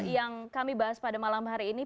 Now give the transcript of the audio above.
yang kami bahas pada malam hari ini